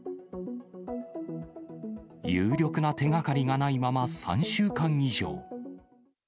有力な手がかりがないまま３週間以上。